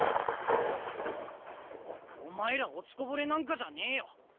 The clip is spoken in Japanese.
お前ら落ちこぼれなんかじゃねえよ。